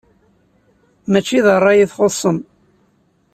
Mačči d ṛṛay i txuṣṣem.